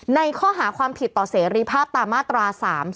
ในข้อหาความผิดต่อเสรีภาพตามมาตรา๓๔